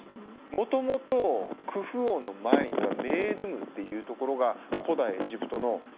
もともとクフ王の前にはメイドゥムっていうところが古代エジプトの首都でした。